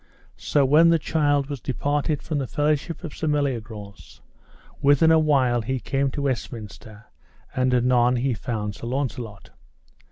So when the child was departed from the fellowship of Sir Meliagrance, within a while he came to Westminster, and anon he found Sir Launcelot.